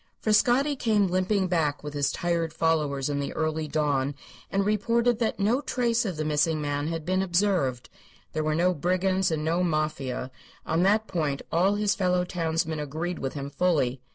Frascatti came limping back with his tired followers in the early dawn, and reported that no trace of the missing man had been observed. There were no brigands and no Mafia; on that point all his fellow townsmen agreed with him fully.